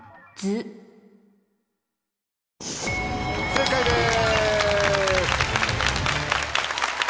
正解です！